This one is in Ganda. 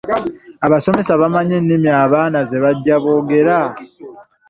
Abasomesa bamanyi ennimi abaana ze bajja boogera?